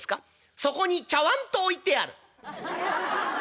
「そこにちゃわんと置いてある」。